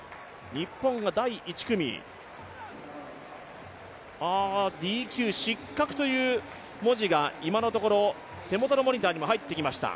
日本が第１組、ＤＱ、失格という文字が今のところ手元のモニターにも入ってきました。